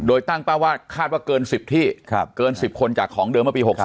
โดยตั้งเป้าว่าคาดว่าเกิน๑๐ที่เกิน๑๐คนจากของเดิมเมื่อปี๖๓